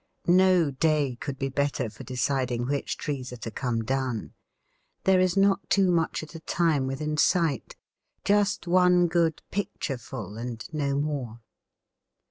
No day could be better for deciding which trees are to come down; there is not too much at a time within sight; just one good picture full and no more.